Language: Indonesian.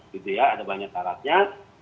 gitu ya ada banyak syaratnya